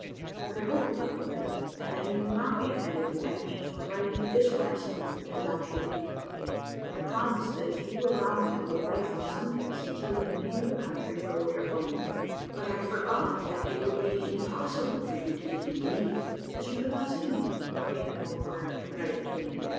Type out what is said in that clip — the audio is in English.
But I hope you got the letter, and that you will not be offended at me for writing this one I send you, without your leave. I promised that if you would allow me, I would write from some place, and tell you the name of the country where we are going; but I forgot that it would be impossible for you to give me leave, as you could not see me, nor yet know where to write it to me.